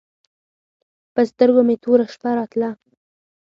پر سترګو مې توره شپه راتله.